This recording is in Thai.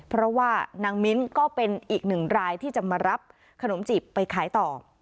เพราะว่านางมิ้นก็เป็นอีกหนึ่งรายที่จะมารับขนมจีบไปขายต่อ